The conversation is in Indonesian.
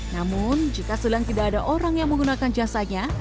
namun jika sedang tidak ada orang yang menggunakan jasanya